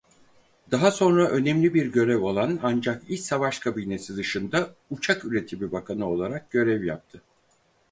Daha sonra önemli bir görev olan ancak İç Savaş Kabinesi dışında Uçak Üretimi Bakanı olarak görev yaptı.